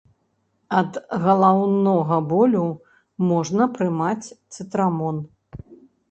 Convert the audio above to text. Ад галаўнога болю можна прымаць цытрамон.